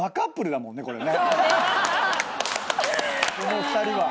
この２人は。